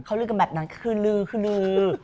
เขาลือกันแบบนั้นคือลือคือลือ